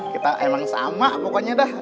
kita emang sama pokoknya dah